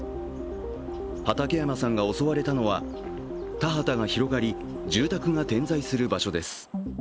畠山さんが襲われたのは田畑が広がり住宅が点在する場所です。